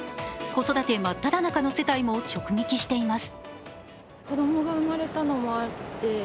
子育て真っただ中の世代も直撃しています。